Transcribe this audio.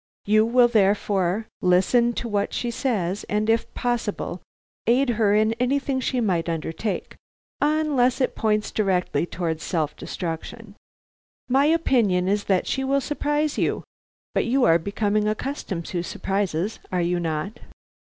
You will therefore listen to what she says, and, if possible, aid her in anything she may undertake, unless it points directly towards self destruction. My opinion is that she will surprise you. But you are becoming accustomed to surprises, are you not?"